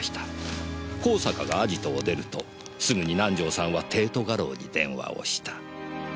香坂がアジトを出るとすぐに南条さんは帝都画廊に電話をした。